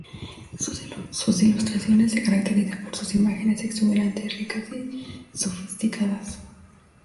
Sus ilustraciones se caracterizan por sus imágenes exuberantes, ricas y sofisticadas.